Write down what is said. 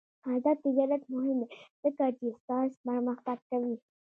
آزاد تجارت مهم دی ځکه چې ساینس پرمختګ کوي.